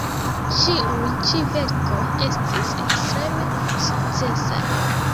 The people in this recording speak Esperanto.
Ĉiuj ĉi verkoj estis ekstreme sukcesaj.